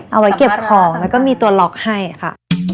เอาไว้เก็บของแล้วก็มีตัวล็อกให้ค่ะ